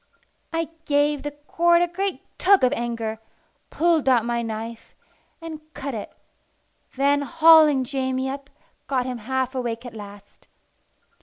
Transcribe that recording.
I gave the cord a great tug of anger, pulled out my knife, and cut it; then, hauling Jamie up, got him half awake at last.